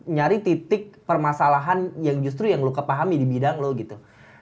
nyari titik permasalahan yang justru yang loka pahami di bidang lo gitu